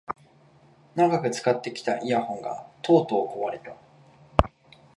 長く使ってきたイヤホンがとうとう壊れた